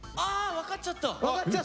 分かっちゃった？